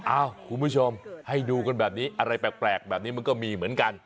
คุณผู้ชมให้ดูกันแบบนี้อะไรแปลกแบบนี้มันก็มีเหมือนกัน